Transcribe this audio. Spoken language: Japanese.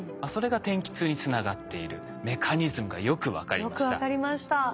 それが天気痛につながっているメカニズムがよく分かりました。